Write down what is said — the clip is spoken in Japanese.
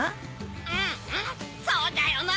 うんうんそうだよな。